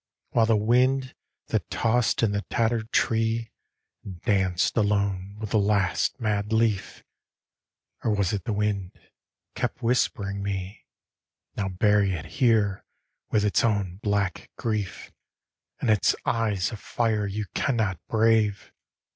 While the wind, that tossed in the tattered tree, And danced alone with the last mad leaf ... Or was it the wind?... kept whispering me "Now bury it here with its own black grief, And its eyes of fire you can not brave!"